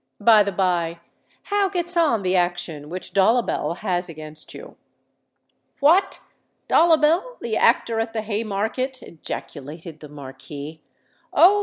By the bye, how gets on the action which Dollabel has against you?" "What! Dollabel, the actor at the Haymarket!" ejaculated the Marquis. "Oh!